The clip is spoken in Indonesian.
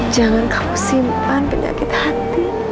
jangan kau simpan penyakit hati